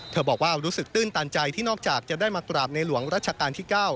บอกว่ารู้สึกตื้นตันใจที่นอกจากจะได้มากราบในหลวงรัชกาลที่๙